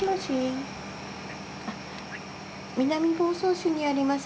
南房総市にあります